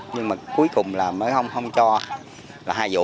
nhưng mà cuối cùng là mấy ổng không cho là hai vụ